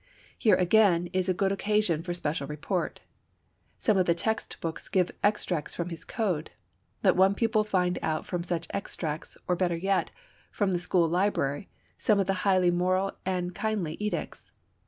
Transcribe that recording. Here again is a good occasion for special report. Some of the text books give extracts from his code. Let one pupil find out from such extracts, or better yet, from the school library, some of the highly moral and kindly edicts.